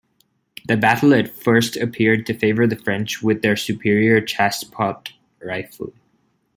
The battle at first appeared to favor the French with their superior Chassepot rifle.